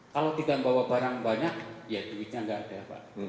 kalau tidak bawa barang banyak ya duitnya nggak ada pak